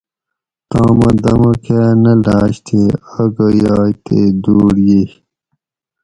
تامہ دمہ کاۤ نہ لاۤش تے آگہ یائے تے دوُڑ ییئے